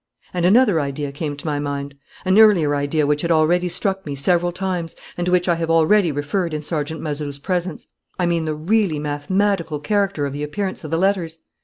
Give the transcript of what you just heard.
"And another idea came to my mind, an earlier idea which had already struck me several times and to which I have already referred in Sergeant Mazeroux's presence: I mean the really mathematical character of the appearance of the letters.